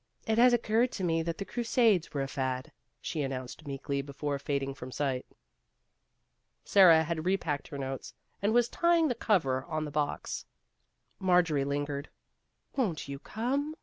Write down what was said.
"It has oc curred to me that the Crusades were a fad," she announced meekly before fading from sight. Sara had repacked her notes, and was tying the cover on the box. Marjorie lingered. "Won't you come?"